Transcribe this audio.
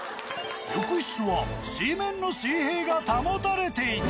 浴室は水面の水平が保たれていた。